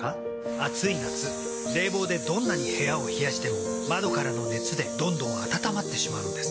暑い夏冷房でどんなに部屋を冷やしても窓からの熱でどんどん暖まってしまうんです。